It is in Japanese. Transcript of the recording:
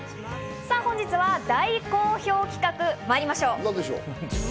本日は大好評企画にまいりましょう。